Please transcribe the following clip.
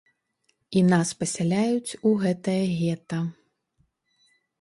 І нас пасяляюць у гэтае гета.